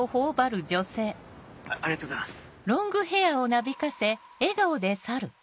ありがとうございます。